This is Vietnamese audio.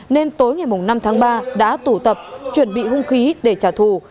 nên tối ngày năm tháng ba đã tụ tập chuẩn bị hung khí để trả thù